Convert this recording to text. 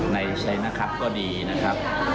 ในชัยนะครับก็ดีนะครับ